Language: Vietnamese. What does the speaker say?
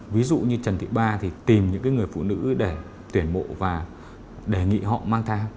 ví dụ như trần thị ba thì tìm những người phụ nữ để tuyển mộ và đề nghị họ mang theo